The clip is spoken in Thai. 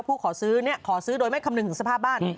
ขอซื้อขอซื้อโดยไม่คำนึงถึงสภาพบ้าน